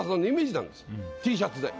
Ｔシャツで。